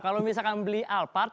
kalau misalkan beli alphard